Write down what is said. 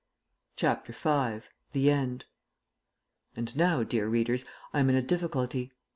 CHAPTER V THE END [And now, dear readers, I am in a difficulty.